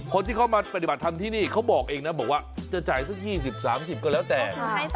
คนที่เขามาปฏิบัติธรรมที่นี่เขาบอกเองนะบอกว่าจะจ่ายสัก๒๐๓๐ก็แล้วแต่